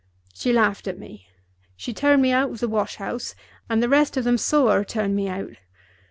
She laughed at me. She turned me out of the wash house, and the rest of them saw her turn me out.